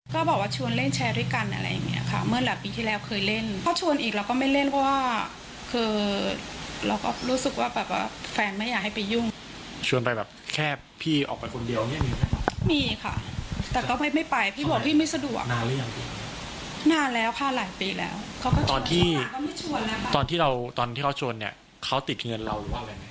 ตอนที่เค้าชวนเนี่ยเค้าติดเงินเราหรือว่าอะไร